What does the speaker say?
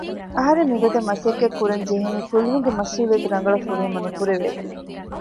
އަހަރެން މިގޮތަށް މަސައްކަތް ކުރަން ޖެހެނީ ފުލުހުންގެ މަސްއޫލިއްޔަތު ރަނގަޅަށް ފުރިހަމަ ނުކުރެވޭތީ